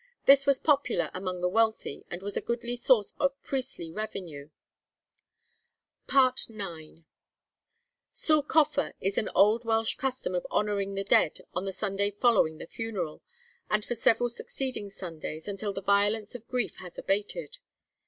This was popular among the wealthy, and was a goodly source of priestly revenue. FOOTNOTE: 'Bye gones,' Nov. 22, 1876. IX. Sul Coffa is an old Welsh custom of honouring the dead on the Sunday following the funeral, and for several succeeding Sundays, until the violence of grief has abated.